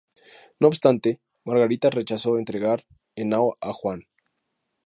No obstante, Margarita rechazó entregar Henao a Juan.